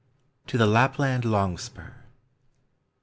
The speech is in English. TO THE LAPLAND LOXGSPUR. I.